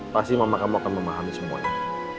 pasti mama kamu akan memahami semuanya